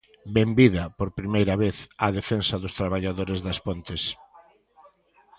Benvida, por primeira vez, á defensa dos traballadores das Pontes.